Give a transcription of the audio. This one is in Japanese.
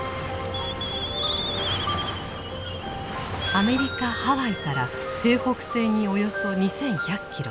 アメリカ・ハワイから西北西におよそ２１００キロ。